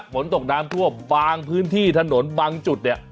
ฝนตกน้ำท่วมบางพื้นที่ถนนบางจุดเนี่ย